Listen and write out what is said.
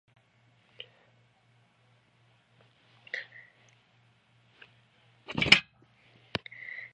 Since then Nasib actively began writing poems.